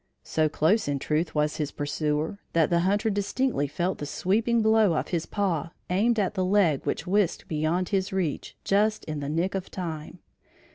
So close in truth was his pursuer that the hunter distinctly felt the sweeping blow of his paw aimed at the leg which whisked beyond his reach just in the nick of time.